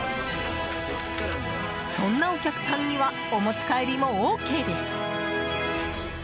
そんなお客さんにはお持ち帰りもＯＫです。